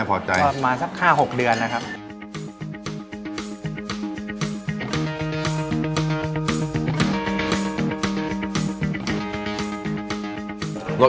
พอบร่อยประมาณสักห้าหกเดือนนะครับ